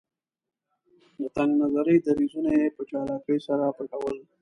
د تنګ نظري دریځونه یې په چالاکۍ سره پټول.